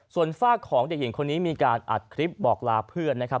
ส่วนฝากของเด็กหญิงคนนี้มีการอัดคลิปบอกลาเพื่อนนะครับ